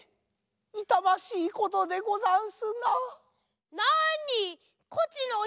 いたましいことでござんすなぁ。